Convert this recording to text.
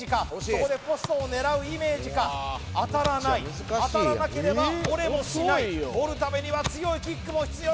そこでポストを狙うイメージか当たらない当たらなければ折れもしない折るためには強いキックも必要